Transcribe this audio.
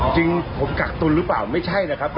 จริงผมกักตุลหรือเปล่าไม่ใช่นะครับ